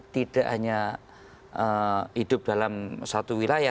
tidak hanya hidup dalam satu wilayah